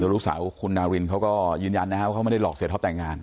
ลูกสาวคุณนารินเขาก็ยืนยันนะครับว่าเขาไม่ได้หลอกเสียท็อปแต่งงาน